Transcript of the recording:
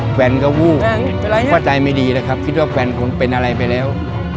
แฟนก็วู้คิดว่าแฟนคนเป็นอะไรไปแล้ว